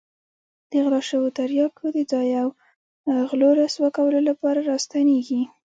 د غلا شوو تریاکو د ځای او غلو رسوا کولو لپاره را ستنېږي.